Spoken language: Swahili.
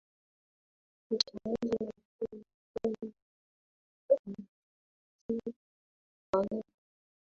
uchanguzi mkuu wa nchini thailand unataraji kufanyika